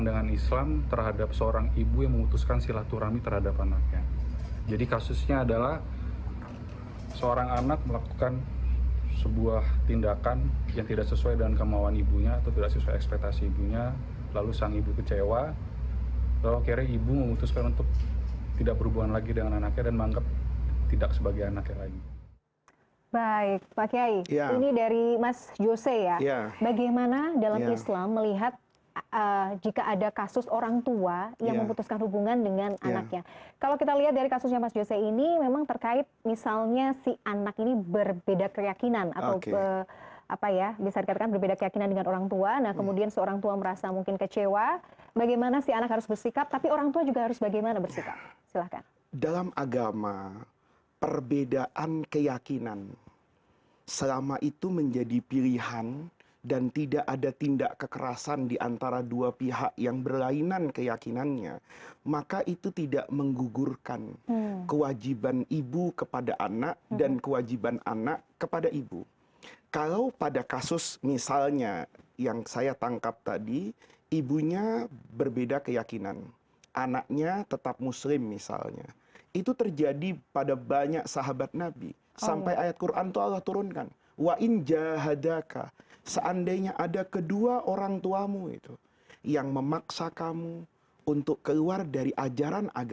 dia akan membimbing menanyakan memperhatikan